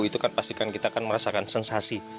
itu kan pastikan kita akan merasakan sensasi